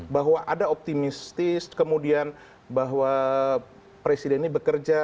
bahwa ada optimistis kemudian bahwa presiden ini bekerja